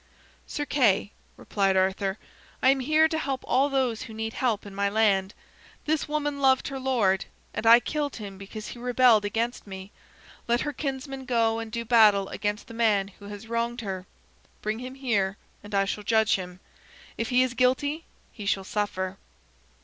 "Sir Kay," replied Arthur, "I am here to help all those who need help in my land. This woman loved her lord, and I killed him because he rebelled against me. Let her kinsman go and do battle against the man who has wronged her. Bring him here, and I shall judge him. If he is guilty he shall suffer."